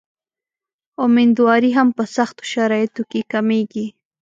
امیندواري هم په سختو شرایطو کې کمېږي.